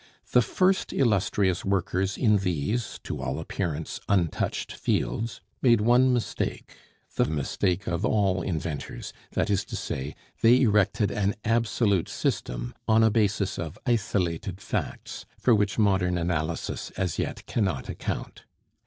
The first illustrious workers in these, to all appearance, untouched fields, made one mistake, the mistake of all inventors; that is to say, they erected an absolute system on a basis of isolated facts for which modern analysis as yet cannot account.